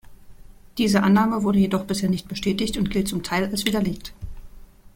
Diese Annahme wurde jedoch bisher nicht bestätigt und gilt zum Teil als widerlegt.